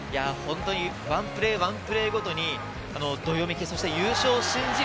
ワンプレーワンプレーごとにどよめき優勝を信じる